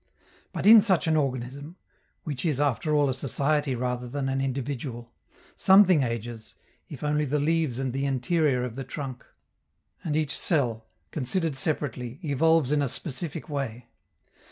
But in such an organism which is, after all, a society rather than an individual something ages, if only the leaves and the interior of the trunk. And each cell, considered separately, evolves in a specific way.